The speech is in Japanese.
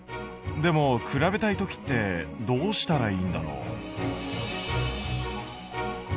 でも比べたい時ってどうしたらいいんだろう。